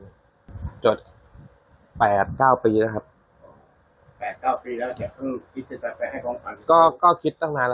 มันไม่ใช่เรื่องที่หน้าอ่าเลย